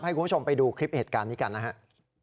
ให้คุณผู้ชมไปดูคลิปเหตุการณ์นี้กันนะครับ